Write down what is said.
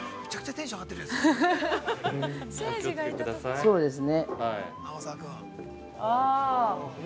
◆そうですね。